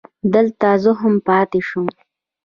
دلته زه هم پاتې شوم.